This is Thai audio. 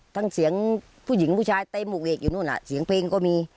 ทั้งเสียงผู้หญิงผู้ชายเต็มหกเวกอยู่นู่นเสียงเพลงก็มี